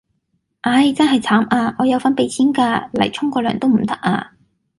唉，真係慘呀，我有份俾錢㗎，蒞沖個涼都唔得呀